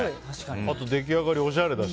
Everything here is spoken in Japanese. あと出来上がり、おしゃれだし。